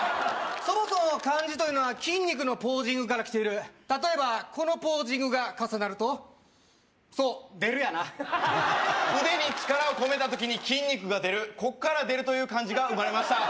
そもそも漢字というのは筋肉のポージングからきている例えばこのポージングが重なるとそう出るやな腕に力を込めた時に筋肉が出るこっから出るという漢字が生まれました